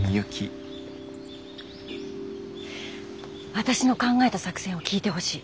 私の考えた作戦を聞いてほしい。